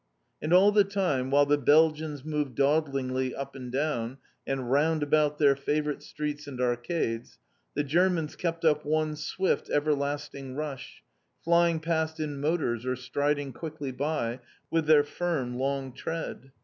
And all the time, while the Belgians moved dawdlingly up and down, and round about their favourite streets and arcades, the Germans kept up one swift everlasting rush, flying past in motors, or striding quickly by, with their firm, long tread.